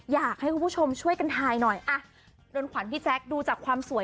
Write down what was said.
อยากให้คุณผู้ชมช่วยกันทายหน่อยอ่ะเรือนขวัญพี่แจ๊คดูจากความสวย